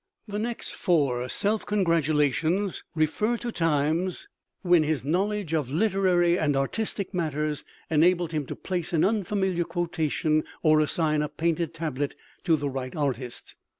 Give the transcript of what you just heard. The next four self congratulations refer to times when his knowledge of literary and artistic matters enabled him to place an unfamiliar quotation or assign a painted tablet to the right artist.